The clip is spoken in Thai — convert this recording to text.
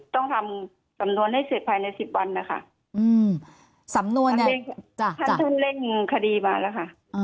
ต้องทำสำนวนให้เสร็จภายใน๑๐วันนะคะท่านถึงเร่งคดีมาแล้วค่ะ